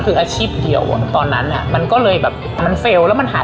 คืออาชีพเดียวอ่ะตอนนั้นอ่ะมันก็เลยแบบมันเฟลล์แล้วมันหาย